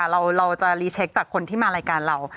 เราจะรีเช็คจากคนที่มารายการเรา